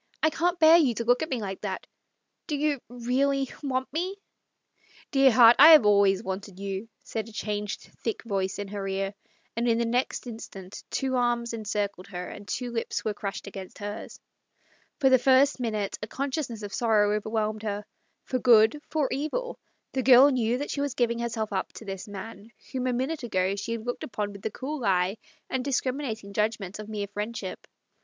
"I can't bear you to look at me like that. Do you — really — want me ?"" Dear heart, I have always wanted you," said a changed, thick voice in her ear, and in the next instant two arms encircled her, and two lips were crushed against hers. For the first minute a consciousness of sorrow over whelmed her. For good, for evil, the girl knew that she was giving herself, up to this MARTS LOVER. 79 man whom a minute ago she had looked upon with the cool eye and discriminating judgment of mere friendship.